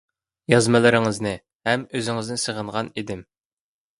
يازمىلىرىڭىزنى ھەم ئۆزىڭىزنى سېغىنغان ئىدىم.